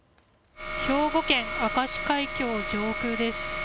兵庫県明石海峡上空です。